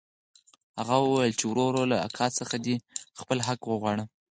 هغه وويل چې وروره له اکا څخه دې خپل حق وغواړه.